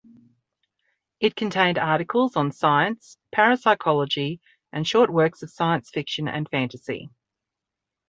It contained articles on science, parapsychology, and short works of science fiction and fantasy.